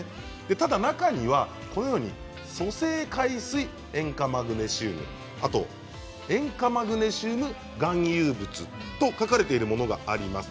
ただ中には粗製海水塩化マグネシウム塩化マグネシウム含有物と書かれているものがあります。